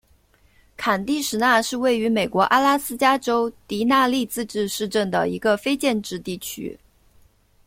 坎蒂什纳是位于美国阿拉斯加州迪纳利自治市镇的一个非建制地区。